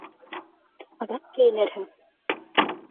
Аҙаҡ кейенерһең.